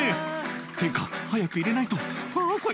「っていうか早く入れないとあぁ怖い！